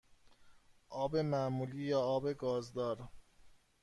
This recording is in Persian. آب معمولی یا آب گازدار؟